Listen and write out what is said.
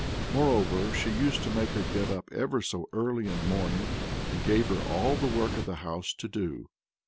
Moreover, she used to make her get up ever so early in the morning, and gave her all the work of the house to do.